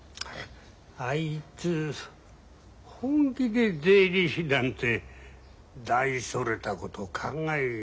あいつ本気で税理士なんて大それたこと考えてるのかね。